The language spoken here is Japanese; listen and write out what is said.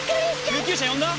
救急車呼んだ？